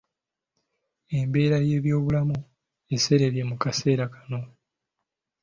Embeera y’ebyobulamu eserebye mu kaseera kano.